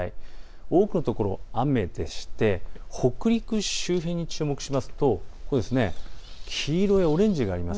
多くの所、雨でして北陸周辺に注目しますと黄色やオレンジがあります。